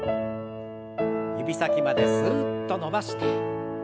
指先まですっと伸ばして。